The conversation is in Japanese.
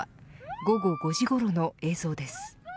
午後５時ごろの映像です。